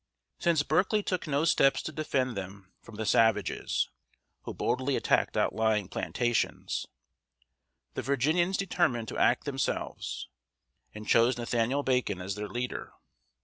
Since Berkeley took no steps to defend them from the savages, who boldly attacked outlying plantations, the Virginians determined to act themselves, and chose Nathaniel Bacon as their leader.